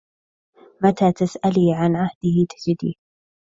متى تسألي عن عهده تجديه